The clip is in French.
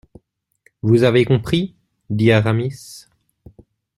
Vous avez compris ? dit Aramis.